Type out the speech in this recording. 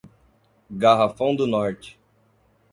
Garrafão do Norte